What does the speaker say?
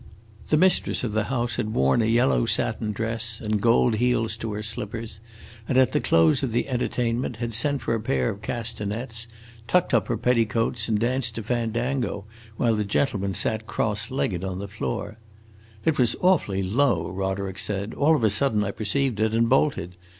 The mistress of the house had worn a yellow satin dress, and gold heels to her slippers, and at the close of the entertainment had sent for a pair of castanets, tucked up her petticoats, and danced a fandango, while the gentlemen sat cross legged on the floor. "It was awfully low," Roderick said; "all of a sudden I perceived it, and bolted.